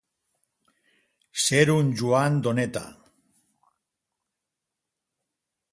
Ser un Joan Doneta.